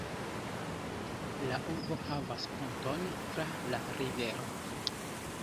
La urbo havas ponton tra la rivero.